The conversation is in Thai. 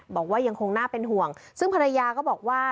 บอกว่ายังคงน่าเป็นห่วงซึ่งภรรยาก็บอกว่า